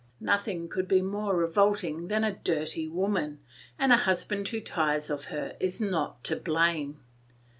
Nothing could be more revolting than a dirty woman, and a husband who tires of her is not to blame.